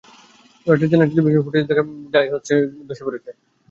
Reuters জানায়, টেলিভিশনে ফুটেজে দেখা যায়, নোরচা শহরের প্রাণকেন্দ্র একটি গির্জা ধসে পড়েছে।